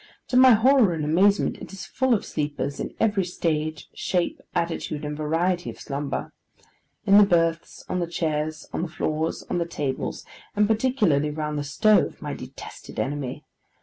To my horror and amazement it is full of sleepers in every stage, shape, attitude, and variety of slumber: in the berths, on the chairs, on the floors, on the tables, and particularly round the stove, my detested enemy.